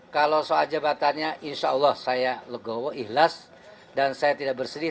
kalau soal jabatannya insya allah saya legowo ikhlas dan saya tidak bersedih